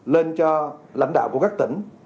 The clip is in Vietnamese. lên cho lãnh đạo của các tỉnh